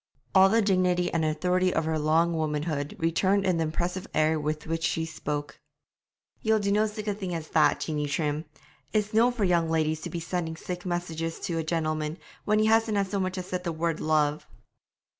All the dignity and authority of her long womanhood returned in the impressive air with which she spoke. 'Ye'll no do sic a thing as that, Jeanie Trim! It's no for young ladies to be sending sic messages to a gentleman, when he hasna so much as said the word "love."'